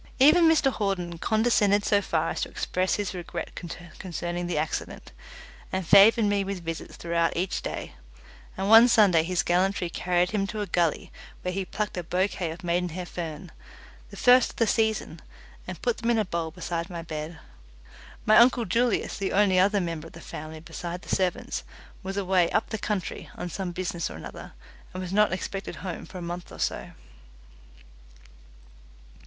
Even Mr Hawden condescended so far as to express his regret concerning the accident, and favoured me with visits throughout each day; and one Sunday his gallantry carried him to a gully where he plucked a bouquet of maidenhair fern the first of the season and put them in a bowl beside my bed. My uncle Julius, the only other member of the family besides the servants, was away "up the country" on some business or another, and was not expected home for a month or so.